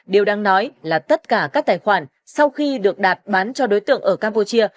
điều đang nói là tất cả các tài khoản sau khi được đạt bán cho đối tượng ở campuchia